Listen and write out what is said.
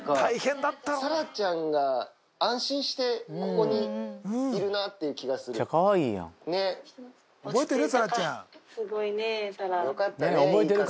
サラちゃんが安心してここにいるなっていう気がする。